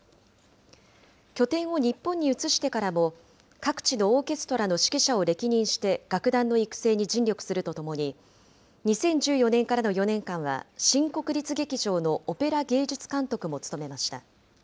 拠点を日本に移してからも、各地のオーケストラの指揮者を歴任して楽団の育成に尽力するとともに、２０１４年からの４年間は、新国立劇場のオペラ芸術監督も務めました。